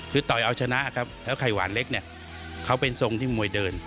คือต่อยเอาชนะครับแล้วไข่หวานเล็กเนี่ยเขาเป็นทรงที่มวยเดิน